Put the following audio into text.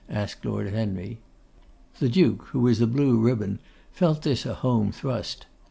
asked Lord Henry. The Duke, who was a blue ribbon, felt this a home thrust.